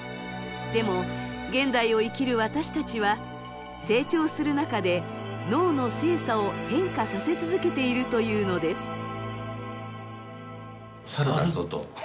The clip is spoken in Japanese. でも現代を生きる私たちは成長する中で脳の性差を変化させ続けているというのです。